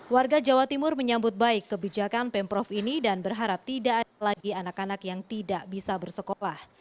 warga jawa timur menyambut baik kebijakan pemprov ini dan berharap tidak ada lagi anak anak yang tidak bisa bersekolah